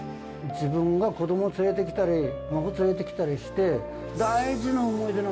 自分が子ども連れてきたり孫連れてきたりして」。